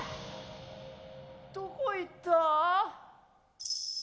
どこ行った？